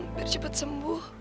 pak harus cepat sembuh